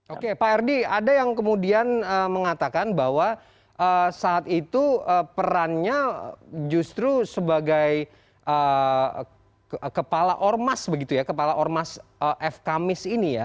oke pak erdi ada yang kemudian mengatakan bahwa saat itu perannya justru sebagai kepala ormas begitu ya kepala ormas fkmis ini ya